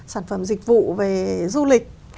sản phẩm dịch vụ về du lịch